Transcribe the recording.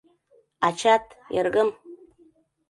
Ачат, эргым...